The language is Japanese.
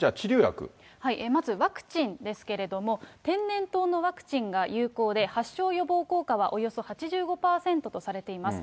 まずワクチンですけれども、天然痘のワクチンが有効で、発症予防効果はおよそ８５％とされています。